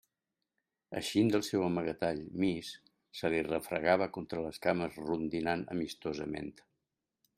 Eixint del seu amagatall, Miss se li refregava contra les cames rondinant amistosament.